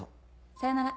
さよなら。